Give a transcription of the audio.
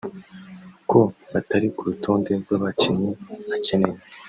ko batari ku rutonde rw'abakinyi akeneye